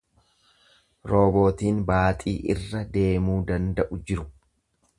Roobootiin baaxii irra deemuu danda'u jiru.